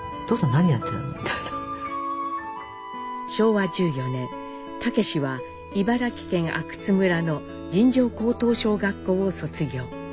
昭和１４年武は茨城県圷村の尋常高等小学校を卒業。